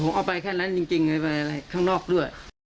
ผมเอาไปแค่นั้นจริงเอาไปอะไรข้างนอกด้วย